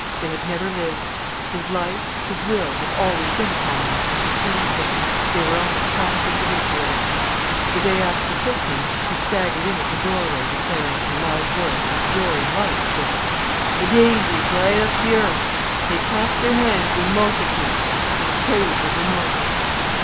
They had never lived; his life, his will had always been upon them and contained them. They were only half individuals. The day after the christening he staggered in at the doorway declaring, in a loud voice, with joy in life still: "The daisies light up the earth, they clap their hands in multitudes, in praise of the morning."